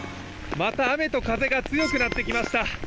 また雨と風が強くなってきました。